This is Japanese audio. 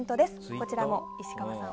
こちらも石川さん